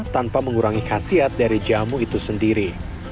tanpa mengurangi khasiat dari jamu itu sendiri